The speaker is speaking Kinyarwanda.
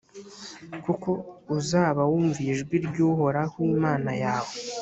kuko uzaba wumviye ijwi ry’uhoraho imana yawe,